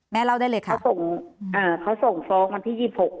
แม้เล่าได้เลยค่ะเขาส่งอ่าเขาส่งฟ้องวันที่ยี่สิบหก